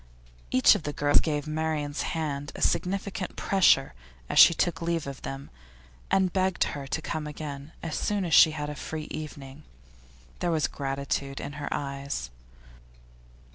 Each of the girls gave Marian's hand a significant pressure as she took leave of them, and begged her to come again as soon as she had a free evening. There was gratitude in her eyes.